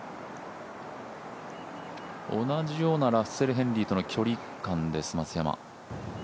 同じようなラッセル・ヘンリーとの距離感です、松山。